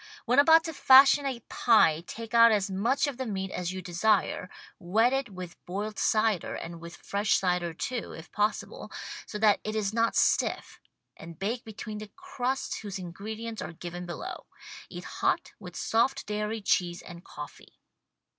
When about to fashion a pie take out as much of the meat as you desire, wet it_ with boiled cider and with fresh cider, too, if possible, so that it is not stiff, and bake between the crusts whose ingredients are given below. Eat hot with soft dairy cheese and coffee.